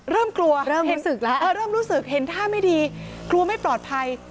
เริ่มกลัวเริ่มรู้สึกแล้วเริ่มรู้สึกเห็นท่าไม่ดีกลัวไม่ปลอดภัย